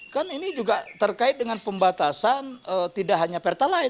kan ini juga terkait dengan pembatasan tidak hanya pertalite